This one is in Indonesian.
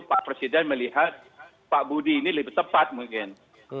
pak presiden melihat pak budi ini lebih tepat mungkin